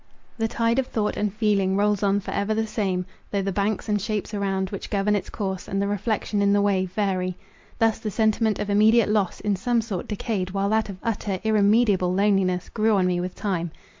The tide of thought and feeling rolls on for ever the same, though the banks and shapes around, which govern its course, and the reflection in the wave, vary. Thus the sentiment of immediate loss in some sort decayed, while that of utter, irremediable loneliness grew on me with time.